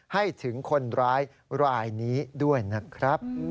ให้ถึงคนร้ายรายนี้ด้วยนะครับ